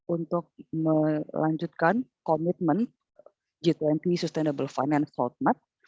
untuk melanjutkan komitmen g dua puluh sustainable finance roadmap